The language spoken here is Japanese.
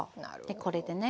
でこれでね